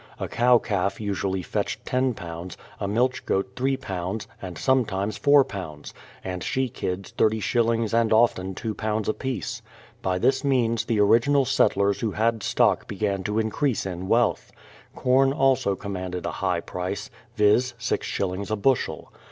A cow calf usually fetched £10; a milch goat £3, and sometimes £4; and she kids thirty shillings and often £2 apiece. By this means the original settlers who had stock began to increase in wealth. Corn also commanded a high price, viz., six shillings a bushel.